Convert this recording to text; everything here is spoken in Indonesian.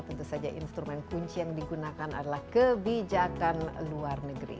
tentu saja instrumen kunci yang digunakan adalah kebijakan luar negeri